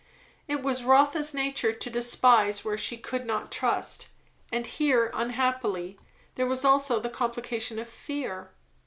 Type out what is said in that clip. It was Rotha's nature to despise where she could not trust; and here unhappily there was also the complication of fear.